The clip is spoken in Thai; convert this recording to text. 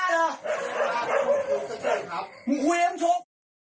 พี่สาวมาเหรอมึงคุยกับชก